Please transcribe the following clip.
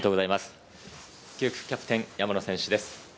９区、キャプテン・山野選手です。